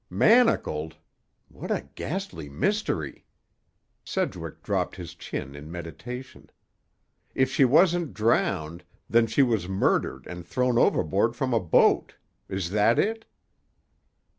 "Manacled? What a ghastly mystery!" Sedgwick dropped his chin in meditation. "If she wasn't drowned, then she was murdered and thrown overboard from a boat. Is that it?"